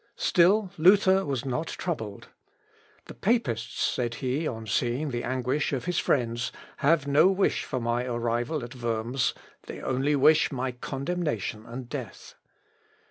Still Luther was not troubled. "The papists," said he, on seeing the anguish of his friends, "have no wish for my arrival at Worms, they only wish my condemnation and death.